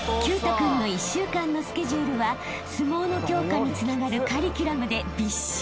君の１週間のスケジュールは相撲の強化につながるカリキュラムでびっしり］